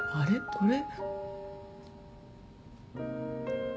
これ。